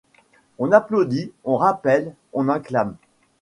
On applaudit, on rappelle, on acclame !